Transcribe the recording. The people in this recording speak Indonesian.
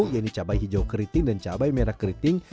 yaitu cabai hijau keriting dan cabai merah keriting